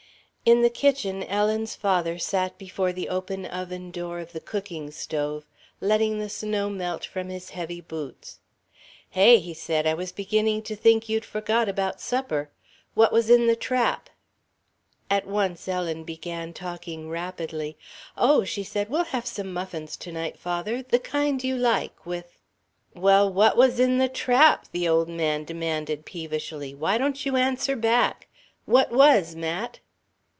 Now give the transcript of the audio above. In the kitchen Ellen's father sat before the open oven door of the cooking stove, letting the snow melt from his heavy boots. "Hey," he said, "I was beginning to think you'd forgot about supper. What was in the trap?" At once Ellen began talking rapidly. "Oh," she said, "we'll have some muffins to night, father. The kind you like, with " "Well, what was in the trap?" the old man demanded peevishly. "Why don't you answer back? What was, Mat?"